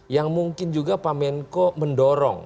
yang mungkin juga pak menko mendorong